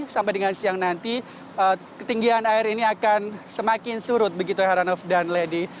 sampai dengan siang nanti ketinggian air ini akan semakin surut begitu heranov dan lady